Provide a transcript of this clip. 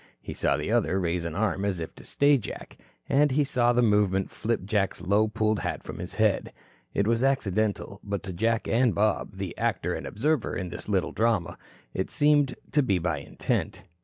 He saw the other raise an arm as if to stay Jack. And he saw the movement flip Jack's low pulled hat from his head. It was accidental, but to Jack and Bob the actor and the observer in this little drama it seemed to be by intent.